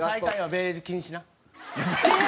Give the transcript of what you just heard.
ベージュ禁止。